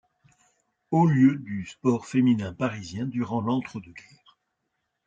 Haut lieu du sport féminin parisien durant l'entre-deux-guerres.